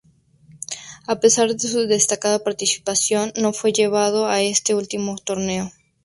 A pesar de su destacada participación, no fue llevado a este último torneo.